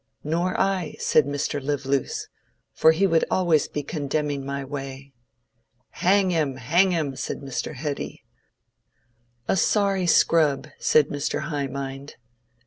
Nor I, said Mr. Live loose; for he would be always condemning my way. Hang him, hang him, said Mr. Heady. A sorry scrub, said Mr. High mind.